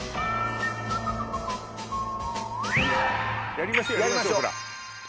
やりましょう。